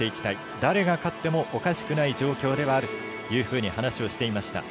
誰が勝ってもおかしくない状況ではあるというふうに話をしていました。